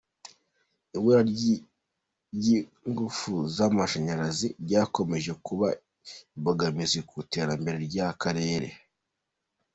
Ibura ry’Ingufu z’amasharazi ryakomeje kuba imbogamizi ku iterambere ry’akarere.